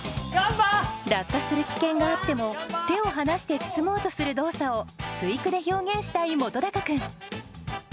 落下する危険があっても手を離して進もうとする動作を対句で表現したい本君。